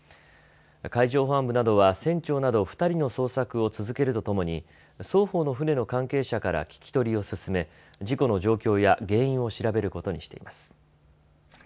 海上保安部などは船長など２人の捜索を続けるとともに双方の船の関係者から聞き取りを進め事故の状況や原因を調べることにしています。